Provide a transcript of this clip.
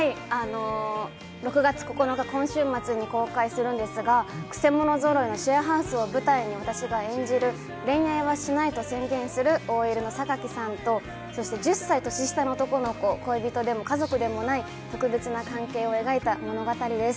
６月９日、今週末に公開するんですが、クセ者揃いのシェアハウスを舞台に私が演じる、恋愛はしないと宣言するＯＬの榊さんと、１０歳年下の男の子、恋人でも家族でもない特別な関係を描いた物語です。